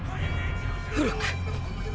フロック。